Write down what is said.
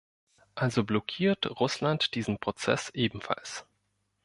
Also blockiert Russland diesen Prozess ebenfalls.